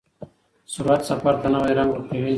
سرعت سفر ته نوی رنګ ورکوي.